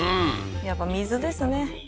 やっぱ水ですね